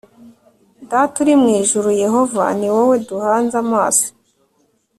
Data uri mu ijuru Yehova ni wowe duhanze amaso